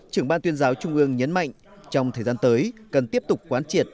trưởng ban tuyên giáo trung ương nhấn mạnh trong thời gian tới cần tiếp tục quán triệt